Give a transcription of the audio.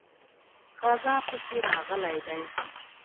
غزا پسې راغلی دی.